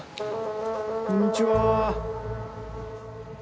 こんにちは。